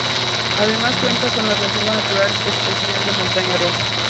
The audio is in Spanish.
Además cuenta con la reserva natural especial de Montaña Roja.